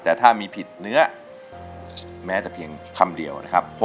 แต่ถ้ามีผิดเนื้อแม้แต่เพียงคำเดียวนะครับ